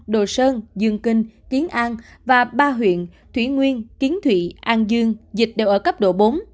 đồ sơn dương kinh kiến an và ba huyện thủy nguyên kiến thụy an dương dịch đều ở cấp độ bốn